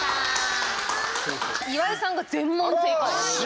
岩井さんが全問正解。